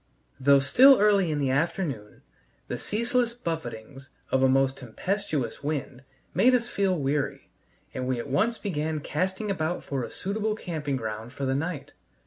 Though still early in the afternoon, the ceaseless buffetings of a most tempestuous wind made us feel weary, and we at once began casting about for a suitable camping ground for the night.